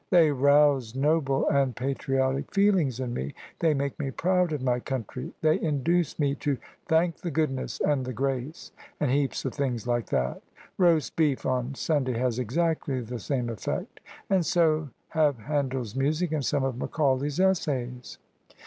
They rouse noble and patriotic feelings in me — ^they make me proud of my country — they induce me to * thank the goodness and the grace *— and heaps of things like that. Roast beef on Sun day has exactly the same effect ; and so have Handel's music and some of Macaulay's Essays."